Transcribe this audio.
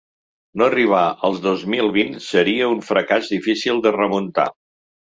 No arribar al dos mil vint seria un fracàs difícil de remuntar.